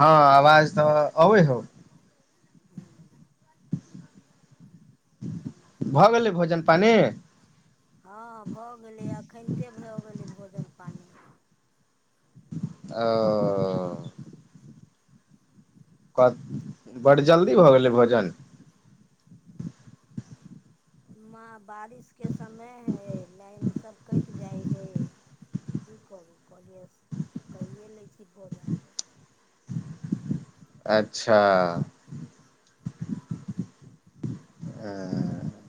हँ आवाज तऽ अबै हौ।। हू।। भऽ गेलै भोजन पानि।। हँ भऽ गेलै एखनिते भऽ गेलै भोजन पानि।। ओ।। क बड्ड जल्दी भऽ गेलै भोजन।। म बारिशके समय हइ लाइनसभ कटि जाइ हइ।। की करू कहलिै कैए लै छी भोजन।। अच्छा।। ह।।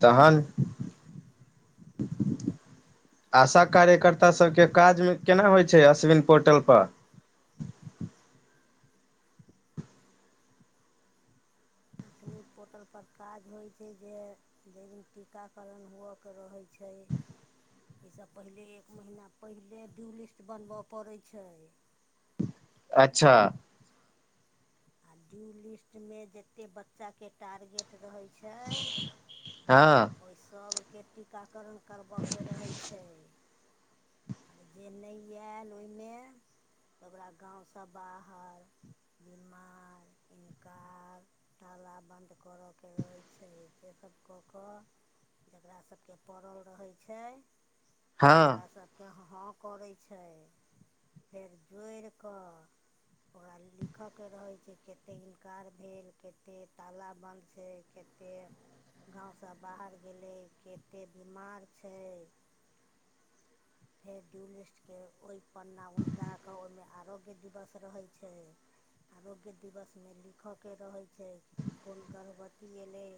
तहन।। आशा कार्यकर्ता सबके काजमे केना होइ छै अश्विन पोर्टल पर।। असनी पोर्टलपर काज होइ छै जे।। जाहि दिन टीकाकरण हुअके रहैत छै।। ओहिसँ पहिले एक महिना पहिले ड्यू लिस्ट बनबऽ पड़ैत छै।। अच्छा।। आ ड्यू लिस्ट मे जते बच्चा के।। टारगेट रहै छै।। हँ ओहि सभके टीकाकरण करबऽके रहैत छै।। आब जे नहि आयल ओहिमे तऽ ओकरा गाँवसँ बाहर।। बीमार इनककार।। ाला बन्द करयके रहै छै सेसभ कऽ कऽ।। जकरा सभके पड़ल रहै छै हँ ओकरा सभ।। कह हाँ करैत छै फेर जोड़ि कऽ।। ओकरा लिखय के रहै छै कते इन्कार भेल कते ताला बन्द छै कत।। कते गाँव सब बाहर गेलै कते बीमार छै।। फेर ड्यूलिस्टके ओहि पन्ना उलटा कऽ ओहिमे आरोग्य दिवस रहैत छै।। आरोग्य दिवसमे लिखऽके रहैत छै कोन गर्भवती अयलै।।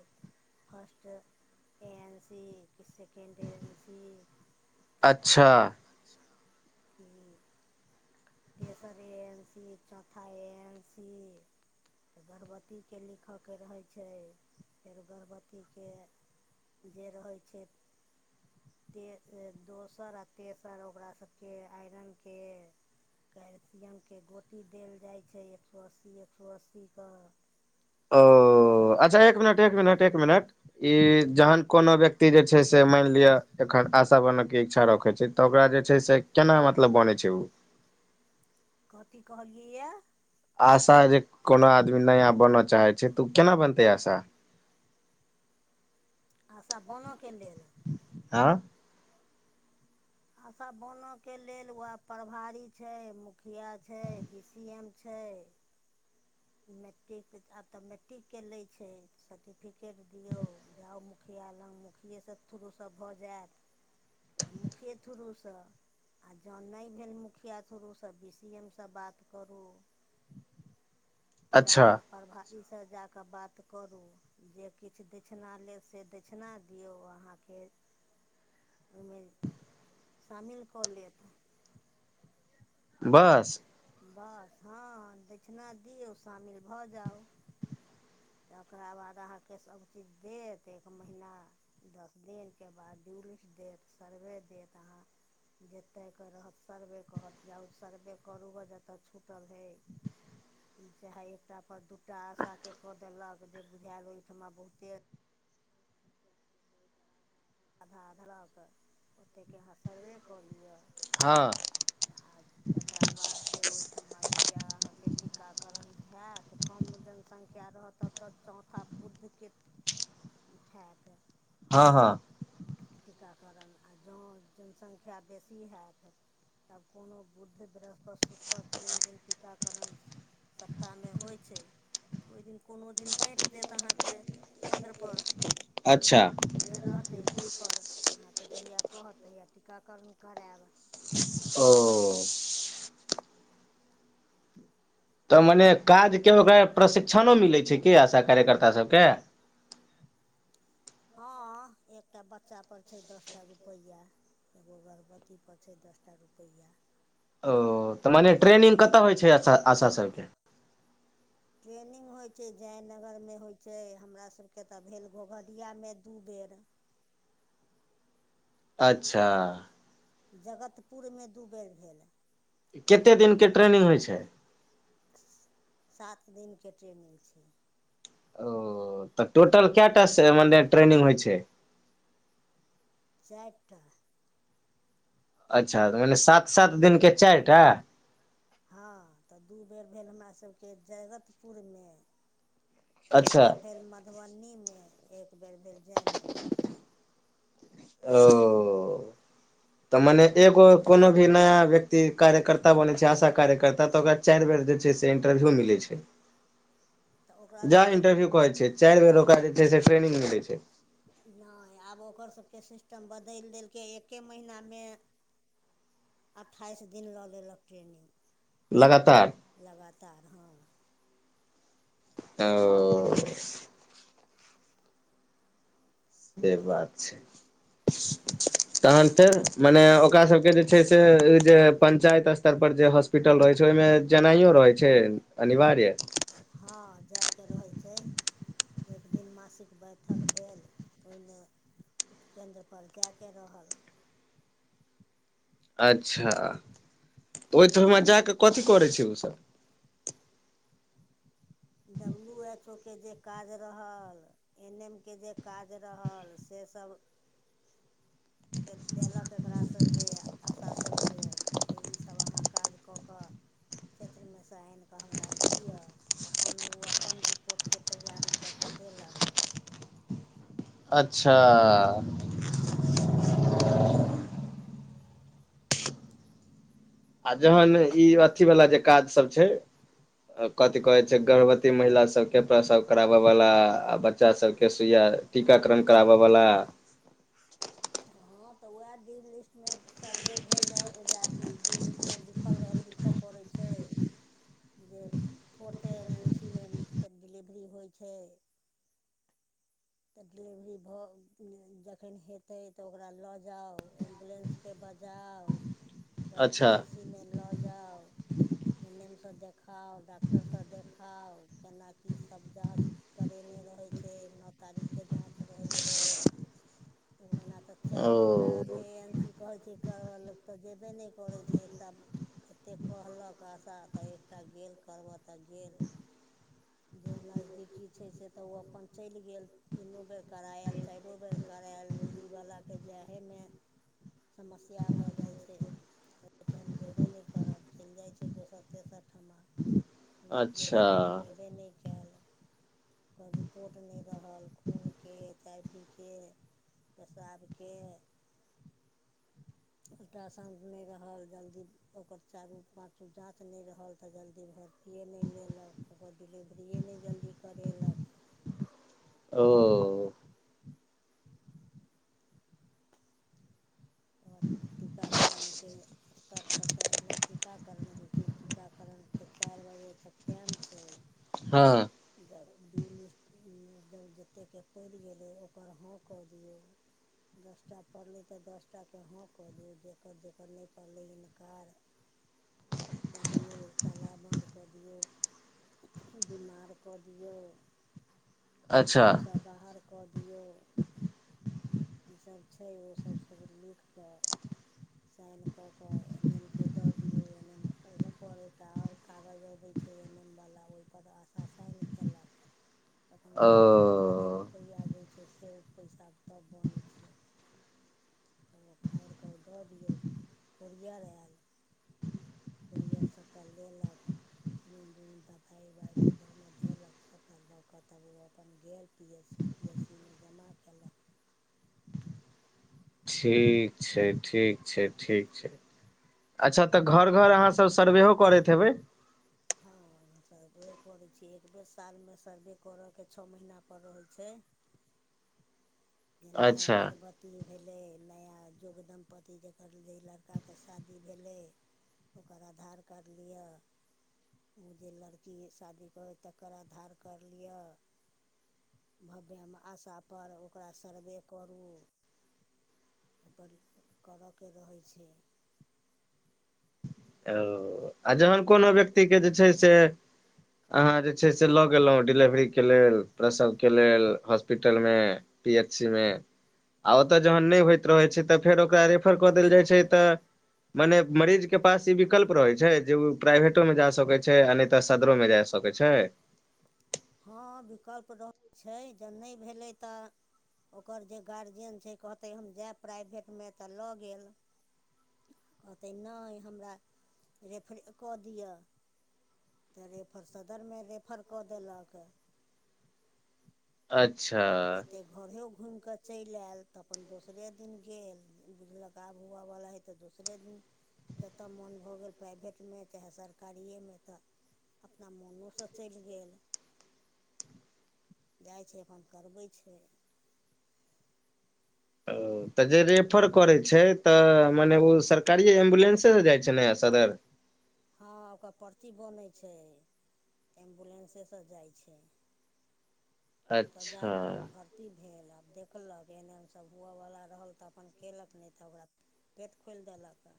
फर्स्ट ए एन सी कि सेकण्ड एन सी।। अच्छा।। ठीक।। तेसर ए एन सी चौथा एन सी।। तऽ गर्भवतीके लिखऽके रहै छै फेर गर्भवतीके।। जे रहैत छै।। ते दोसर आ तेसर ओकरा सब केँ आइरन केँ। कैलसियमकेँ गोटी देल जाइ छै एक सौ अस्सी एक सौ अस्सी कऽ ओऽ अच्छऽ एक मिनट - एक मिनट - एक मिनट ई जहन कोनो व्यक्ति जे छै से मानि लिअ एखन आशा बनऽ केँ इच्छा रखे छै तऽ ओकरा जे छै से केना मतलब बनै छै उ कथी कहलियै ये आशा जे कोनो आदमी नया बनऽ चाहै छै तऽ उ केना बनतै आशा आशा बनऽ केँ लेल। हँ खशा बनऽ केँ लेल वैह प्रभारी छै मुखिया छै बी सी एम छै। मेट्रिक आब तऽ मेट्रिक केँ लै छै। सर्टिफिकेट दियौ जाउ मुखिया लग मुखिये सँ थुरूसँ भऽ जैत तऽ मुखिये थुरूसँ। आ जाउ नय भेल मुखिया थुरूसँ बी सी एम सँ बात करू जा अच्छा कऽ प्रभासी से जा कऽ बात करू जे किछ दक्षिणा लेब से दक्षिणा दियौ अहाँकेँ ओहिमे शामिल कऽ लेत बस बस हँ दक्षिणा दियौ शामिल भऽ जाउ तकरा बाद अहाँकेँ सबचीज देत एक महीना दस दिन केँ बाद दुरिस देत सर्वे देत अहाॅं जतऽ केँ रहत सर्वे कहत जाउ सर्वे करू गऽ जतऽ छूटल हइ चाहे एकटा पर दूटा आशा केँ कऽ देलक जे बुझायल ओहिठमा बहुते आधा आधा देल्क ओतेक केँ अहाँ सर्वे कऽ लिअ हँ आ तकरा बाद से ओहिठमा जहिया अहाँकेँ टीकाकरण हैत कम जनसंख्या रहत तऽ ओतऽ चौथा बुध केँ हैत। हँ हँ टीकाकरण आ जाउ जनसंख्या बेसी हैत तब कोनो बुद्ध बृहस्पैत शुकर तीन दिन टीकाकरण सप्ताह मे होइ छै ओइ दिन कोनो दिन बाइट देत अहाँकेँ केन्द्रपर अच्छा ए रहतै बी पर अहाँकेँ जहिया कहत तहिया टीकाकरण करैब ओ तऽ मने काज केँ ओकरा प्रशिक्षणो मिलै छै कि आशा कार्यकर्ता सबकेँ हँऽ एकटा बच्चा पर छै दस टा रुपैया एगो गर्भवतीपर छै दस टा रुपैया ओ तऽ मने ट्रेनिंग कतऽ होइ छै आशा आशा सब केँ ट्रेनिंग होइ छै जयनगरमे होइ छै हमरा सब केँ तऽ भेल घोघडिया मे दू बेर अच्छा जगतपुर मे दू बेर भेल। कते दिनके ट्रेनिंग होइ छै सात दिनके ट्रेनिंग छै। ओ, तऽ टोटल कैय टा से मने ट्रेनिंग होइ छै चारिटा अच्छा तकर मने सात -सात दिनके चारिटा हँ तऽ दू बेर भेल हमरासभके जगतपुरमे एक अच्छा बेर भेल मधुबनी मे एक बेर भेल जयनगर मे ओ त मने एगो कोनो भी नया व्यक्ति कार्यकर्ता बनै छै आशा कार्यकर्ता त ओकरा चारि बेर जे छै से इंटरव्यू मिलै छै। [inaudible] जेह सबके इंटरव्यू कहै छै चारि बेर ओकरा जे छै से ट्रेनिग मिलैत छै। नहि आब ओकर सभके सिस्टम बदलि देलकै एक्के महीनमे अट्ठाइस दिन ल लेलऽ कऽ ट्रेनिंग लगतार। लगातार ह ओ ओ से बात छेय [unintelligible] तहन फेर मने ओकरा सभके जे छै से जे पंचायत स्तर पर जे वस्तु। भेटलऽ रहै छै ओहि मे जनाइयो रहै छै अनिवार्य। हा जायके रहै छै एक दिन मासिक बैठक भेल। ओहि मे उपकेन्द्रपर जाई के रहल। अच्छा तऽ ओहिठाम जा क कथी करै छी ओसभ। डब्लू एच ओ कै जे काज रहल। एन एम के जे काज रहल सँ सभ। के देलकऽ एकरा सभके आशा सभके जे ई सभ अहाँ। काज कऽ क्षेत्र मे से आनि कऽ हमरा दिआ। अपन ओ अपन रिपोर्ट के तैयारी क देलक। अच्छा। आ जहन ई अथी वाला जे काज सभ छै ‌। कथी कहैत छै गर्भवती महिला सभ सभके प्रसव कराबय वाला आ बच्चा सभ के सुइया। टीका करण कराब वला। ह त वएह डू लिस्ट मे सर्वे भेल रहल जात। जूलिसमे लिखल रहल लिख पड़ैत छै जे फोर्थ एन एन सी मे फेर डिलेवरी होई छै तऽ डिलेवरी भऽ जखन हेतै त ओकरा लऽ जाउ एम्बुलेस के बजाउ ओकरा पी अच्छा एच सी मे ल जाउ एन एम सँ देखाउ डॉक्टरसँ देखाउ केना कि सभ जाँच करेने रहैत छै ने तखन के जाँच रहै छै ओना तऽ चारिटा ओ एन सी कहैत छै कर लोक त जेबे नहि करैत छै एकटा कतेक कहल कऽ आशा तऽ एकटा गेल करबह तऽ गेल जे नजदी कि छै से तऽ ओ अपन चलि गेल तीनो बेर करा आल चारो बेर करायल दूरीवला के जा हेमे समस्या भऽ जाई छै कहैत छै हम जेबे नहि करब चलि जाइत छी दोसर तेसर ठम अपना पी अच्छा सीमे गेले नहि कयल ओकर रिपोर्ट नहि रहल खूनके चायभीके। पेशाबके। अल्ट्रासाउण्ड नहि रहल जल्दी ओकर चारू पाँचो जाँच नहि रहल तऽ जल्दी भर तीए नहि लेलक ओगर डिलेभरिए नहि जल्दी करेलक। ओ त टीकाकरणके स्तर परर तऽ एहिहिना टीकाकरण होइ छैय। टीकाकरणके चारि बजे तक टाइम छैय। हँ जब दू लिस्ट जब जतेकके पड़ि गेलै ओकर हँ कऽ दियौ। दसटा पड़ले तऽ दसटा के हँ कऽ दियऔ जेकर जेकर नहि पड़लै इन्कार। कऽ दियौ ताला बन्द कऽ दियौ बीमार कऽ दियौ अच्छा गाँवसँ बाहर कऽ दियौ। ई सब छैय ओसभ सभ लिख कऽ साइन कऽ क एन एम के दऽ दियऔ एन एम ओहो पर एकटा आउर कागज अबै छैय एन एम वला ओहिपर आशा साइन कयलक। तखन ओ दस टाक जे ओ रुपैआ दइ छैय से ओ पैसा तब बनै छैय। तब ओ फाड़ि कऽ ओ दऽ दियौ कोरियर आयल करियर सबटा लेलक तन जन दवाइ उबाइ डिब्बा मे धेलक सबटा लऽ कऽ तब ओ अपन गेल P S C P S C मे जमा केलक। ठीक छैय ठीक छैय ठीक छैय। अच्छा तऽ घर घर अहाँसभ सर्वे करैत हेबै? हँ सर्वे करै छिय एकबेर सालमे सर्वे करऽके छओ महीना पर रहैत छैय। जे नया अच्छा गर्बत ति भेलै नया योग दम्पति जकर जे लड़काके शादी भेलै। ओकर आधार कार्ड लिअ। ओ जे लड़की शादी कहै तकर आधार कार्ड लिअ। भव्यमे आशा पर ओ ओकरा सर्वे करू एहिपर करऽके रहै छैय। ओ आ जहन कोनो व्यक्तिके जे छैय से अहाँ जे छै से लऽ गेलहुँ डिलेवरीके लेल प्रसवके लेल हॉस्पिटलमे पी एच सी मे आ ओतय जहन नहि होइत रहैत छैय तऽ फेर ओकरा रेफर कऽ देल जाइत छैय तऽ मने मरीज के पास ई विकल्प रहे छैय जे उ प्राइवेटो मे जा सकै छैय आ नहि तऽ सदरो में जा सकैत छैय? हँ विकल्प रहै छैय ज नहि भेलै तऽ ओकर जे गार्जियन छैय कहतै हम जायब प्राइभेटमे तऽ लऽ गेल। कहतै नहि हमरा रेफरे कऽ दिअ। तऽ रेफर सदरमे रेफर कऽ देलक। अच्छा घरे घुमिके चलि आएल तऽ अपन दोसरे दिन गेल। बुझलक आब हुअवला हइ तऽ दोसरे दिन जतय मोन भऽ गेल प्राइभेटमे चाहे सरकारिएमे तऽ अपना मोनोसँ चलि गेल जाइ छैय अपन करबै छैय। ओ तऽ जे रेफर करै छैय तऽ मने ओ सर तरीए एम्बुलेंसे से जाइ छैय ने सदर? हँ ओकर परची बनै छैय। एम्बुलेंसेसँ जाइ छैय ओतय जा अच्छा कऽ भरती भेल आब देखलक एन एन सभ हुअवला रहल तऽ अपन कयलक नहि तऽ ओकरा पेट खोयल देलक।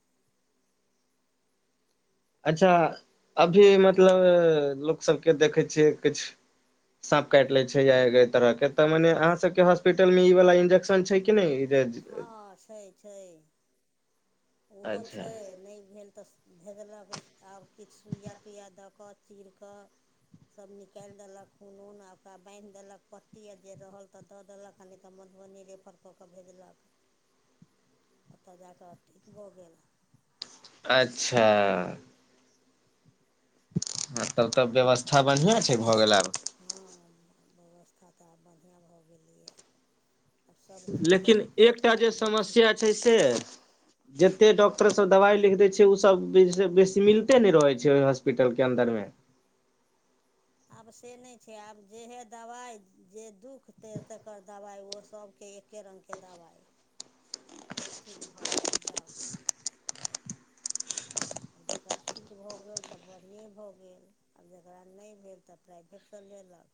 अच्छा अभी मतलब लोक सबके देखै छियै किछु साँप काटि लय छैय या तरह के तऽ मने अहाँ सब के हॉस्पिटल में ई वाला इंजेक्शन छैय कि नहि? जे हँ छैय छैय। ओहो अच्छा छैय नहि भेल तऽ भेजलक आब किछु सुइया तुइया दऽ कऽ। चीरकऽ सब निकालि देलक खून उन आ ओकरा बान्हि देलक पत्ती आ जे रहल ते दऽ देलक आ नहि तऽ मधुबनी रेफर कऽ कऽ भेजलक ओतऽ जाकऽ ठीक भऽ गेल। अच्छा तब तऽ व्यवस्था बढ़ियां छै भऽ गेल आब। हँ व्यवस्था तऽ आब बढ़िआँ भऽ गेलैए। आब सबचीजके लेकिन एकटा जे देखभाल होइ समस्या छैय। छै जते डॉक्टर सब दवाइ लिख दै छैय ओ सबस बे मिलते नहि रहै छैय ओहि हॉस्पिटलके अन्दर में। आब से नहि छैय आब जेहे दबाइ जे दुःखते तकर दबाइ ओ सभके एक एके रङ्गके दबाइ आ ठीक भऽ जायत जाउ। आब जकरा ठीक भऽ गेल तऽ बढ़िएँ भऽ गेल। आब जकरा नहि भेल तऽ प्राइभेटसँ लेलक।